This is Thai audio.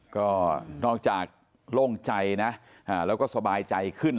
ก็นอกจากโล่งใจนะแล้วก็สบายใจขึ้น